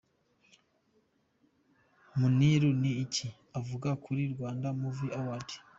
Muniru ni ki avuga kuri Rwanda Movie Awards?.